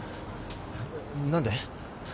何で？